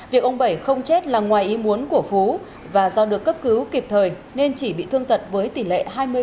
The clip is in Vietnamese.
việc ông bảy không chết là ngoài ý muốn của phú và do được cấp cứu kịp thời nên chỉ bị thương tật với tỷ lệ hai mươi